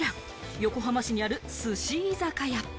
横浜市にある、寿司居酒屋。